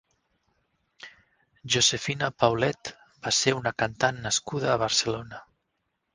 Josefina Paulet va ser una cantant nascuda a Barcelona.